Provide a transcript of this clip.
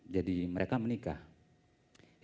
jadi mereka menikah